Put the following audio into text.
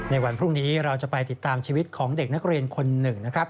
ในวันพรุ่งนี้เราจะไปติดตามชีวิตของเด็กนักเรียนคนหนึ่งนะครับ